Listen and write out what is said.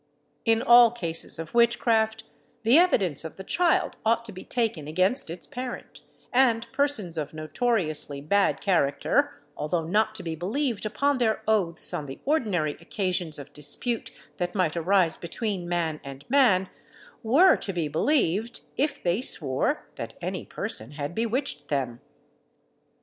In all cases of witchcraft, the evidence of the child ought to be taken against its parent; and persons of notoriously bad character, although not to be believed upon their oaths on the ordinary occasions of dispute that might arise between man and man, were to be believed, if they swore that any person had bewitched them!